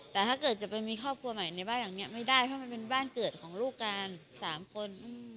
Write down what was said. แต่ถ้าเกิดจะไปมีครอบครัวใหม่ในบ้านหลังนี้ไม่ได้เพราะมันเป็นบ้านเกิดของลูกกัน๓คน